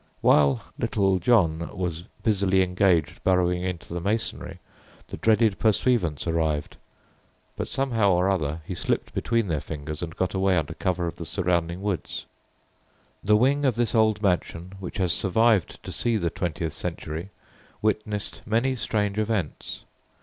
While "Little John" was busily engaged burrowing into the masonry the dreaded "pursuivants" arrived; but somehow or other he slipped between their fingers and got away under cover of the surrounding woods. The wing of this old mansion which has survived to see the twentieth century witnessed many strange events.